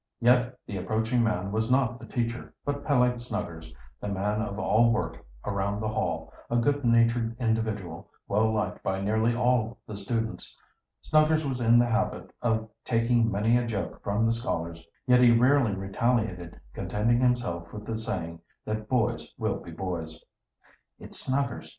Yet the approaching man was not the teacher, but Peleg Snuggers, the man of all work around the Hall, a good natured individual, well liked by nearly all the students. Snuggers was in the habit of taking many a joke from the scholars, yet he rarely retaliated, contenting himself with the saying that "boys will be boys." "It's Snuggers!"